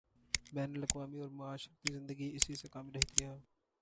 بین الاقوامی اورمعاشرتی زندگی اسی سے قائم رہتی ہے۔